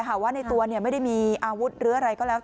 ว่าในตัวไม่ได้มีอาวุธหรืออะไรก็แล้ว